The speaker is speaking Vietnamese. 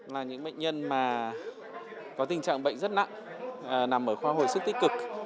là những bệnh nhân mà có tình trạng bệnh rất nặng nằm ở khoa hồi sức tích cực